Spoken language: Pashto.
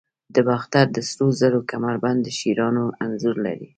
د باختر د سرو زرو کمربند د شیرانو انځور لري